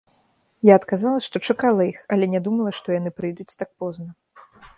Я адказала, што чакала іх, але не думала, што яны прыйдуць так позна.